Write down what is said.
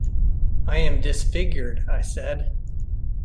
'I am disfigured,' I said.